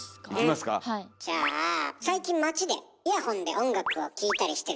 じゃあ最近街でイヤホンで音楽を聴いたりしてる人多いわよね。